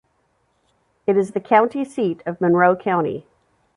It is the county seat of Monroe County.